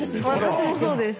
私もそうです。